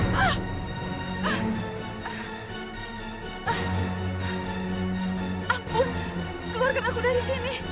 ampun keluarkan aku dari sini